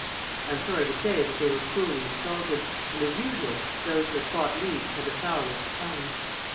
I am sorry to say that they were cruelly insulted, and, as usual, those who had fought least had the foulest tongues.